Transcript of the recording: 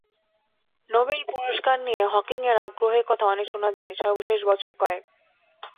Nobel পুরস্কার নিয়ে হকিংয়ের আগ্রহের কথা অনেক শোনা যায় সর্বশেষ বছর কয়েক।